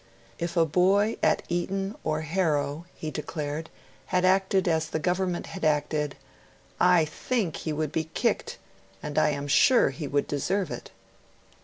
If a boy at Eton or Harrow, he declared, had acted as the Government had acted, 'I THINK he would be kicked, and I AM SURE he would deserve it'.